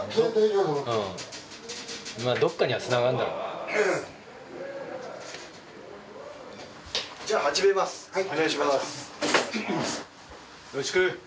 よろしく。